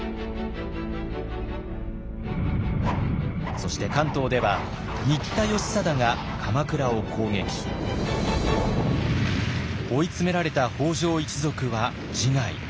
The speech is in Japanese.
そして関東では新田義貞が鎌倉を攻撃。追い詰められた北条一族は自害。